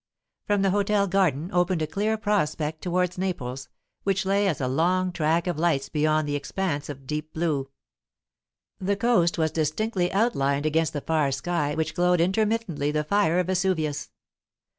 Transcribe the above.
From the hotel garden opened a clear prospect towards Naples, which lay as a long track of lights beyond the expanse of deep blue. The coast was distinctly outlined against the far sky glowed intermittently the fire of Vesuvius.